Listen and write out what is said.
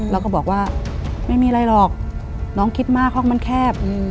แล้วก็บอกว่าไม่มีอะไรหรอกน้องคิดมากห้องมันแคบ